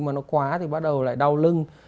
mà nó quá thì bắt đầu lại đau lưng